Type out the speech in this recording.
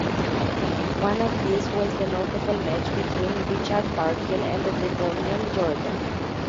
One of these was the notable match between Richard Parkyn and the Devonian Jordan.